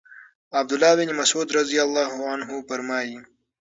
عَبْد الله بن مسعود رضی الله عنه فرمايي: